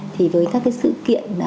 thì với các sự kiện